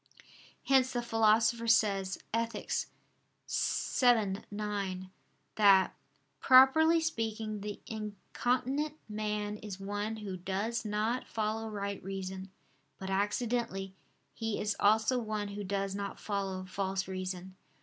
Hence the Philosopher says (Ethic. vii, 9) that "properly speaking the incontinent man is one who does not follow right reason; but accidentally, he is also one who does not follow false reason."